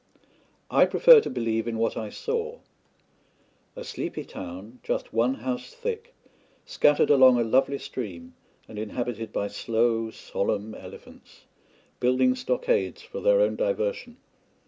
I prefer to believe in what I saw a sleepy town, just one house thick, scattered along a lovely stream and inhabited by slow, solemn elephants, building stockades for their own diversion.